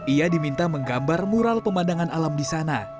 ia diminta menggambar mural pemandangan alam di sana